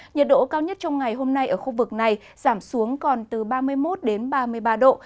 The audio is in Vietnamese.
nhiệt độ cao nhất trong ngày hôm nay ở khu vực này giảm xuống còn từ ba mươi một đến ba mươi ba độ